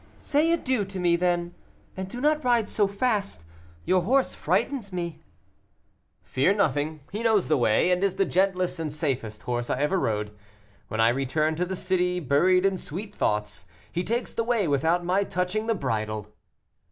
"Say adieu to me, then; and do not ride so fast your horse frightens me." "Fear nothing; he knows the way, and is the gentlest and safest horse I ever rode. When I return to the city, buried in sweet thoughts, he takes the way without my touching the bridle."